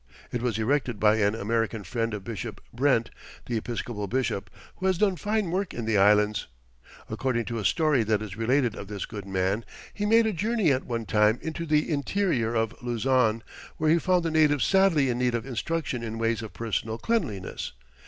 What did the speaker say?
It was erected by an American friend of Bishop Brent, the Episcopal bishop, who has done fine work in the Islands. According to a story that is related of this good man, he made a journey at one time into the interior of Luzon, where he found the natives sadly in need of instruction in ways of personal cleanliness.